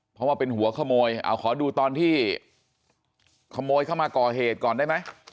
เพราะว่าเป็นหัวขโมยเอาขอดูตอนที่ขโมยเข้ามาก่อเหตุก่อนได้ไหม